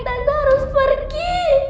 tante harus pergi